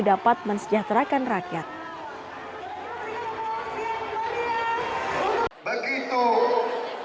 sehingga berakhir negara asing akan mengembangkan kebijakan tersebut